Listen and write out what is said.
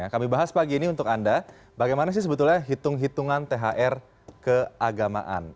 kami bahas pagi ini untuk anda bagaimana sih sebetulnya hitung hitungan thr keagamaan